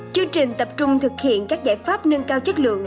chương trình tập trung thực hiện các giải pháp nâng cao chất lượng